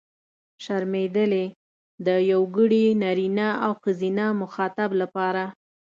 شرمېدلې! د یوګړي نرينه او ښځينه مخاطب لپاره.